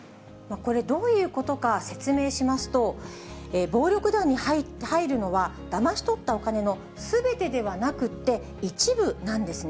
これ、どういうことか説明しますと、暴力団に入るのは、だまし取ったお金のすべてではなくって、一部なんですね。